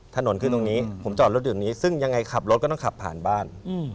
ถนนคือตรงนี้ผมจอดรถอยู่ตรงนี้ซึ่งยังไงขับรถก็ต้องขับผ่านบ้าน